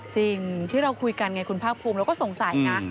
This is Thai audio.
จริงที่เราคุยกันไงคุณภาคภูมิเราก็สงสัยนะ